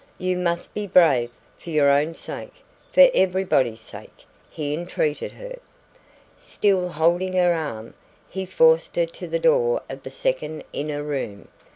"You must be brave, for your own sake for everybody's sake," he entreated her. Still holding her arm, he forced her to the door of the second inner room.